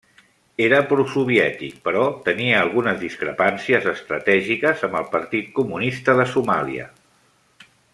Era pro soviètic però tenia algunes discrepàncies estratègiques amb el Partit Comunista de Somàlia.